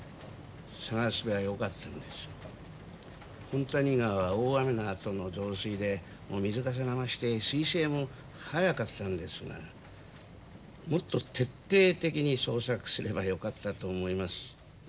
本谷川は大雨のあとの増水で水かさが増して水勢も速かったんですがもっと徹底的に捜索すればよかったと思います。